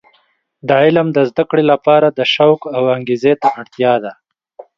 د علم د زده کړې لپاره د شوق او انګیزې ته اړتیا ده.